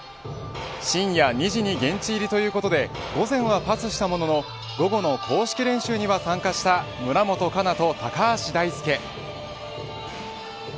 深夜２時に現地入りということで午前はパスしたものの午後の公式練習には参加した村元哉中と高橋大輔。